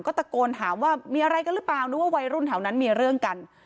ก็ตะโกนถามว่ามีอะไรกันหรือเปล่านึกว่าวัยรุ่นแถวนั้นมีเรื่องกัน